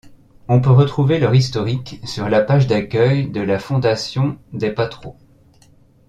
On peut retrouver leur historique sur la page d'accueil de la Fondation des Patro.